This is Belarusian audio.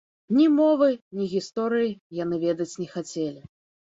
Ні мовы, ні гісторыі яны ведаць не хацелі.